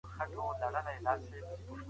د جګړې په لومړیو کې افغانان بریالي شول.